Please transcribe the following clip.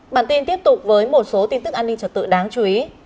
bản tin tiếp tục với một số tin tức an ninh trật tự đáng chú ý